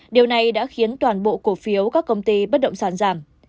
điều này đã khiến toàn bộ cổ phiếu các công ty bất động sản giảm